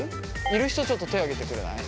いる人ちょっと手を挙げてくれない？